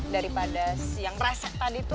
daripada yang resek tadi itu